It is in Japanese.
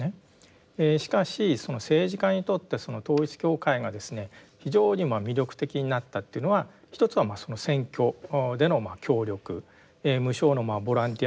しかし政治家にとって統一教会がですね非常に魅力的になったというのは一つは選挙での協力無償のボランティアを派遣するであるとかですね